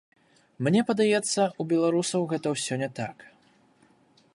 Мне падаецца, у беларусаў гэта ўсё не так.